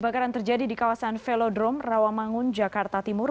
kebakaran terjadi di kawasan velodrome rawamangun jakarta timur